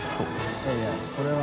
いやいやこれは。